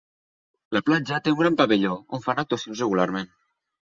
La platja té un gran pavelló on fan actuacions regularment.